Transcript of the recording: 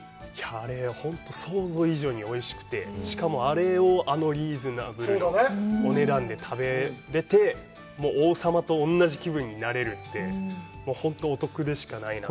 あれ本当、想像以上においしくて、しかも、あれをあのリーズナブルなお値段で食べれて、王様と同じ気分になれるって、本当にお得でしかないなって。